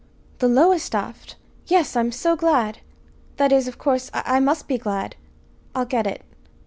"The Lowestoft! Yes, I'm so glad! that is, of course I must be glad. I'll get it."